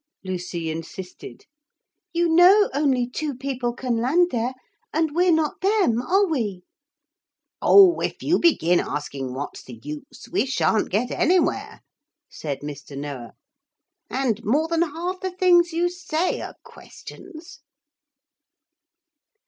Lucy insisted. 'You know only two people can land there, and we're not them, are we?' 'Oh, if you begin asking what's the use, we shan't get anywhere,' said Mr. Noah. 'And more than half the things you say are questions.'